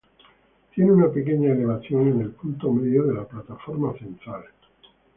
Tiene una pequeña elevación en el punto medio de la plataforma central.